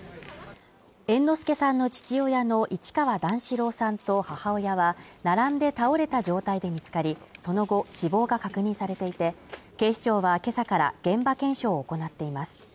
猿之助さんの父親の市川段四郎さんと母親は並んで倒れた状態で見つかり、その後死亡が確認されていて、警視庁は今朝から現場検証を行っています。